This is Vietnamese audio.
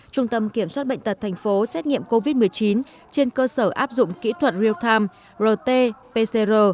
trung tâm kiểm soát bệnh tật tp xét nghiệm covid một mươi chín trên cơ sở áp dụng kỹ thuật real time rt pcr